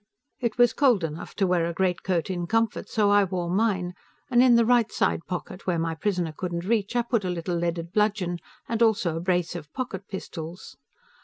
It was cold enough to wear a greatcoat in comfort, so I wore mine, and in the right side pocket, where my prisoner couldn't reach, I put a little leaded bludgeon, and also a brace of pocket pistols.